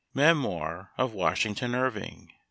Memoir of Washington Irving.